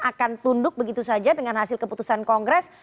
akan tunduk begitu saja dengan hasil keputusan kongres